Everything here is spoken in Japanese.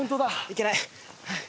いけない。